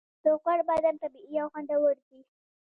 د غور بادام طبیعي او خوندور دي.